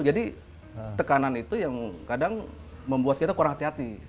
jadi tekanan itu yang kadang membuat kita kurang hati hati